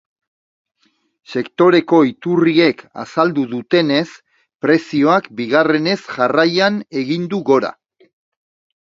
Sektoreko iturriek azaldu dutenez, prezioak bigarrenez jarraian egin du gora.